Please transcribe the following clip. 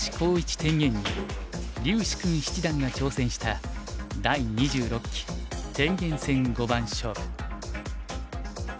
天元に柳時熏七段が挑戦した第２６期天元戦五番勝負。